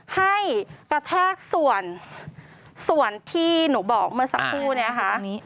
ให้กระแทกส่วนที่หนูบอกเมื่อสักครู่เนี่ยค่ะ